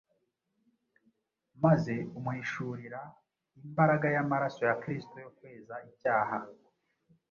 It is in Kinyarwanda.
maze umuhishurira imbaraga y’amaraso ya Kristo yo kweza icyaha.